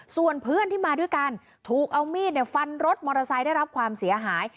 ส่วนเพื่อนที่มาด้วยกันถูกเอามีดฟันรถมอเตอร์ไซค์ได้รับความเสียหาย